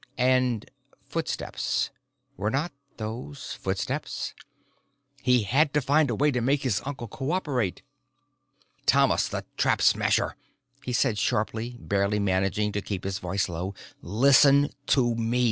And footsteps were not those footsteps? He had to find a way to make his uncle co operate. "Thomas the Trap Smasher!" he said sharply, barely managing to keep his voice low. "Listen to me.